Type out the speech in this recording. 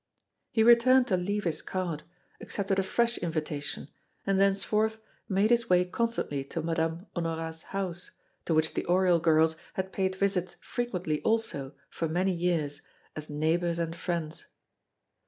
He returned to leave his card, accepted a fresh invitation, and thenceforth made his way constantly to Madame Honorat's house, to which the Oriol girls had paid visits frequently also for many years as neighbors and friends.